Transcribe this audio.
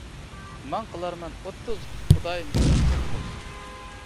مەن قىلارمەن ئوتتۇز، خۇدايىم قىلار توققۇز.